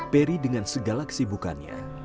perry dengan segala kesibukannya